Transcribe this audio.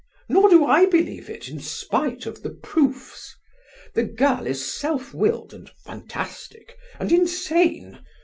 "Nor do I believe it, in spite of the proofs. The girl is self willed and fantastic, and insane!